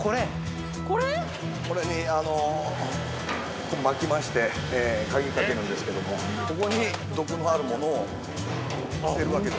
◆これに巻きまして鍵をかけるんですけどもここに毒のあるものを捨てるわけです。